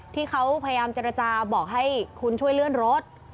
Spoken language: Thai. ที่เขาพยายามเจรจาบอกให้คุณช่วยเลื่อนรถ